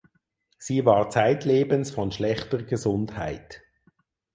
Sie war zeitlebens von schlechter Gesundheit.